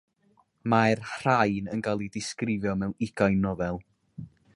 Mae'r rhain yn cael eu disgrifio mewn ugain nofel.